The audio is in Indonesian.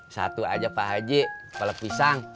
satu aja pak haji kepala pisang